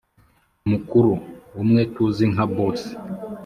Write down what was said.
mukuru(umwe tuzi nka boss)